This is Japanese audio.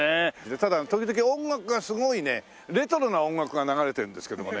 ただ時々音楽がすごいねレトロな音楽が流れてるんですけどもね。